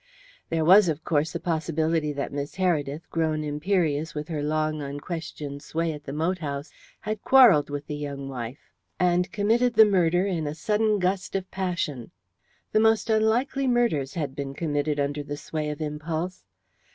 There was, of course, the possibility that Miss Heredith, grown imperious with her long unquestioned sway at the moat house, had quarrelled with the young wife, and committed the murder in a sudden gust of passion. The most unlikely murders had been committed under the sway of impulse.